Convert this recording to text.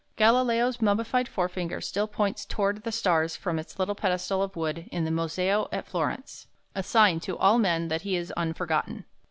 Galileo's mummied forefinger still points toward the stars from its little pedestal of wood in the Museo at Florence, a sign to all men that he is unforgotten.